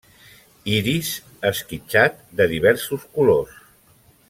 Iris esquitxat de diversos colors.